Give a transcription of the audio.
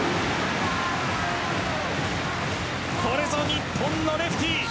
これぞ日本のレフティー。